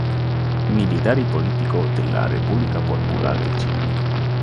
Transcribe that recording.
Militar y político de la República Popular de China.